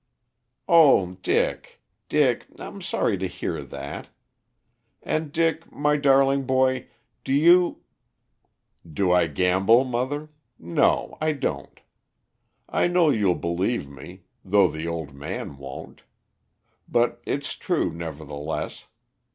"Oh, Dick, Dick, I'm sorry to hear that. And, Dick, my darling boy, do you " "Do I gamble, mother? No, I don't. I know you'll believe me, though the old man won't. But it's true, nevertheless.